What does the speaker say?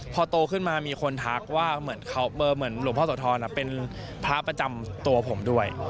พอโตขึ้นมามีคนทักว่าเหมือนหลวงพ่อโสธรเป็นพระประจำตัวผมด้วย